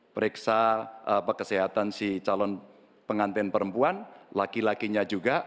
periksa kesehatan si calon pengantin perempuan laki lakinya juga